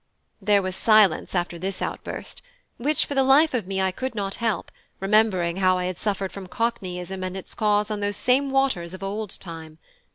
There was silence after this outburst, which for the life of me I could not help, remembering how I had suffered from cockneyism and its cause on those same waters of old time.